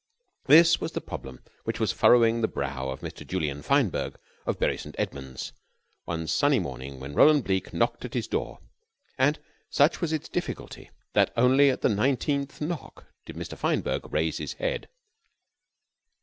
This was the problem which was furrowing the brow of Mr. Julian Fineberg, of Bury St. Edwards, one sunny morning when Roland Bleke knocked at his door; and such was its difficulty that only at the nineteenth knock did Mr. Fineberg raise his head.